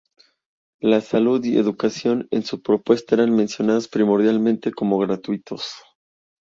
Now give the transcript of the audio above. La salud y educación en su propuesta eran mencionados primordialmente como gratuitos.